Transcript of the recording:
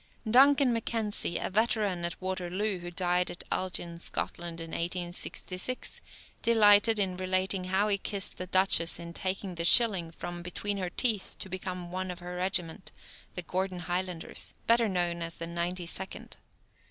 Duncan Mackenzie, a veteran of Waterloo, who died at Elgin, Scotland, in 1866, delighted in relating how he kissed the duchess in taking the shilling from between her teeth to become one of her regiment, the Gordon Highlanders, better known as the Ninety second.